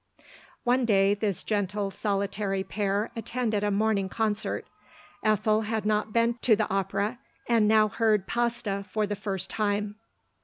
One day, this gentle, solitary pair attended a morning concert. Ethel had not been to the Opera, and now heard Pasta for the first time.